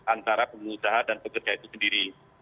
antara pengusaha dan pekerja itu sendiri